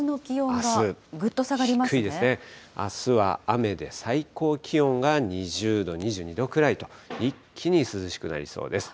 あすは雨で、最高気温が２０度、２２度くらいと、一気に涼しくなりそうです。